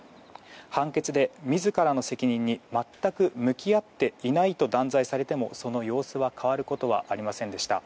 判決で自らの責任に全く向き合っていないと断罪されても、その様子は変わることはありませんでした。